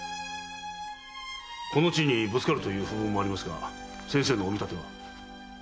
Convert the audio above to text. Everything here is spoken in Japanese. この地にぶつかるという風聞もありますが先生のお見立ては？